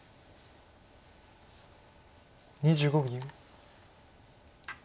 ２５秒。